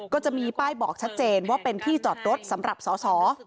ก็จะมีป้ายบอกชัดเจนว่าเป็นที่จอดรถสำหรับสอสอ